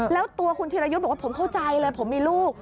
แล้วตัวคุณธีรยุทธ์บอกว่าผมเข้าใจเลยผมมีลูก